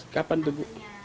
kapan tuh bu